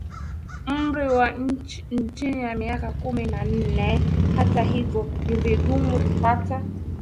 umri wa chini ya miaka kumi na nne Hata hivyo ni vigumu kupata